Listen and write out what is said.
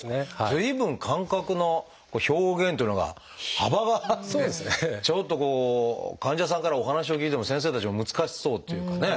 随分感覚の表現っていうのが幅があってちょっと患者さんからお話を聞いても先生たちも難しそうっていうかね。